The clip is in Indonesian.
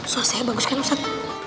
suasananya bagus kan ustad